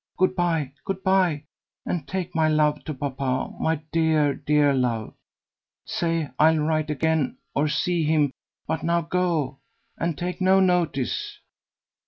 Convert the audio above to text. Good bye, good bye, and take my love to papa, my dear, dear love. Say I'll write again or see him; but now go, and take no notice."